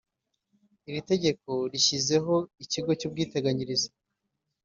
Iri tegeko rishyizeho Ikigo cy Ubwiteganyirize